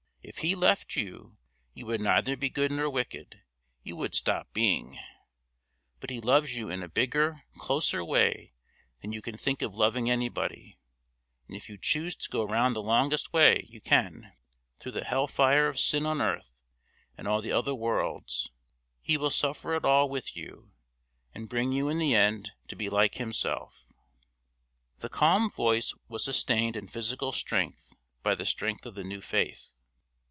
If He left you, you would neither be good nor wicked, you would stop being; but He loves you in a bigger, closer way than you can think of loving anybody; and if you choose to go round the longest way you can, through the hell fire of sin on earth and all the other worlds, He will suffer it all with you, and bring you in the end to be like Himself." The calm voice was sustained in physical strength by the strength of the new faith.